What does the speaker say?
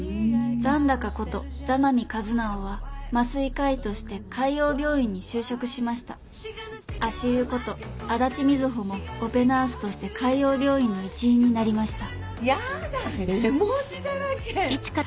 「残高」こと座間味和直は麻酔科医として海王病院に就職しました「足湯」こと阿達みずほもオペナースとして海王病院の一員になりましたやだ絵文字だらけ！